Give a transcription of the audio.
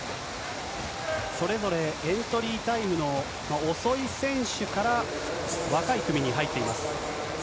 それぞれエントリータイムの遅い選手から若い組に入っています。